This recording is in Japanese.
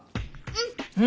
うん。